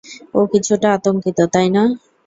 ও কিছুটা আতঙ্কিত, তাই না?